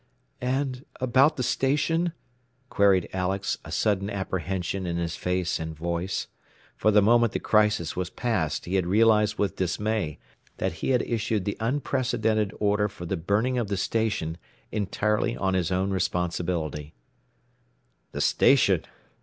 "And about the station?" queried Alex, a sudden apprehension in his face and voice. For the moment the crisis was past he had realized with dismay that he had issued the unprecedented order for the burning of the station entirely on his own responsibility. "The station?"